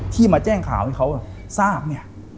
ที่มาแจ้งข่าวให้เค้าอ่ะทราบเนี๊ยะ